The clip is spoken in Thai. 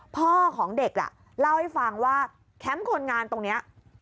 พ่อของเด็กเล่าให้ฟังว่าแคมป์คนงานตรงนี้